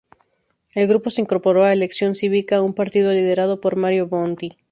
El grupo se incorporó a Elección Cívica, un partido liderado por Mario Monti.